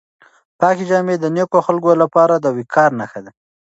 پاکې جامې د نېکو خلکو لپاره د وقار نښه وي.